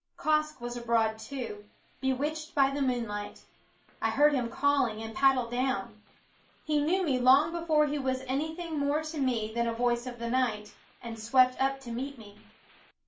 Quoskh was abroad too, bewitched by the moonlight. I heard him calling and paddled down. He knew me long before he was any thing more to me than a voice of the night, and swept up to meet me.